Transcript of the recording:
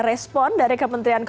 yang sebelumnya bukan b soundtrack